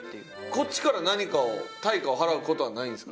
こっちから何かを対価を払う事はないんですか？